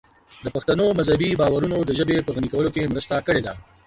د پښتنو مذهبي باورونو د ژبې په غني کولو کې مرسته کړې ده.